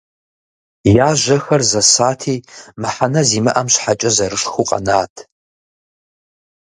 Я жьэхэр зэсати, мыхьэнэ зимыӏэм щхьэкӏэ зэрышхыу къэнат.